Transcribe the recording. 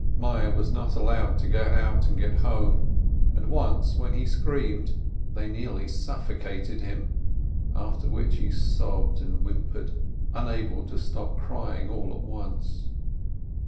Meyer was not allowed to get out and go home, and once, when he screamed, they nearly suffocated him, after which he sobbed and whimpered, unable to stop crying all at once.